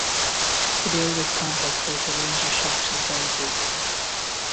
The Bailrigg campus hosts a range of shops and services.